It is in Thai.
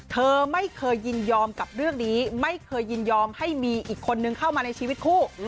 เธอไม่เคยยินยอมกับเรื่องนี้ไม่เคยยินยอมให้มีอีกคนนึงเข้ามาในชีวิตคู่